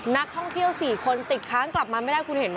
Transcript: นักท่องเที่ยว๔คนติดค้างกลับมาไม่ได้คุณเห็นไหม